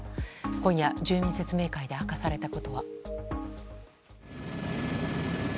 今夜、住民説明会で明かされたことは。